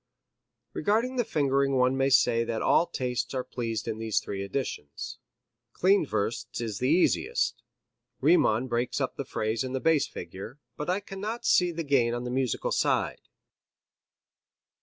Regarding the fingering one may say that all tastes are pleased in these three editions. Klindworth's is the easiest. Riemann breaks up the phrase in the bass figure, but I cannot see the gain on the musical side.